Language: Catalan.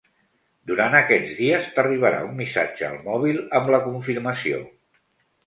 Durant aquests dies t'arribarà un missatge al mòbil amb la confirmació.